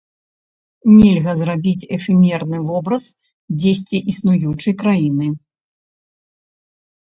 Нельга зрабіць эфемерны вобраз дзесьці існуючай краіны.